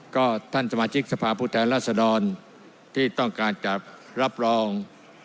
ก็ท่านสมาชิกสภาพผู้แทนรัศดรที่ต้องการจะรับรอง